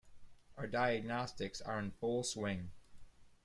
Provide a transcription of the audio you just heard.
Our diagnostics are in full swing.